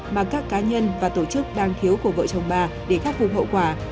mà các cá nhân và tổ chức đang thiếu của vợ chồng bà để khắc phục hậu quả